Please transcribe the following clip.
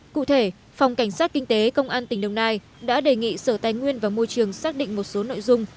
cụ thể phòng cảnh sát kinh tế công an tỉnh đồng nai đã đề nghị sở tài nguyên và môi trường xác định một số nội dung